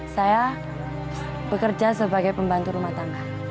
saya bekerja sebagai pembantu rumah tangga